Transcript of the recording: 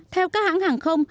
theo các hãng hàng không